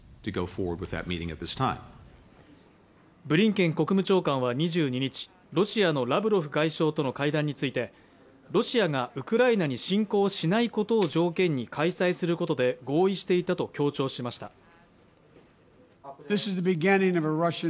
ブリンケン国務長官は２２日ロシアのラブロフ外相との会談についてロシアがウクライナに侵攻しないことを条件に開催することで合意していたと強調しました